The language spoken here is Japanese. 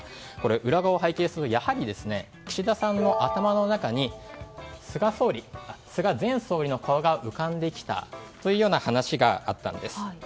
裏側を拝見するとやはり岸田さんの頭の中に菅前総理の顔が浮かんできたという話があったんです。